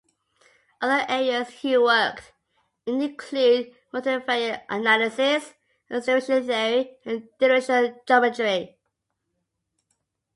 Other areas he worked in include multivariate analysis, estimation theory, and differential geometry.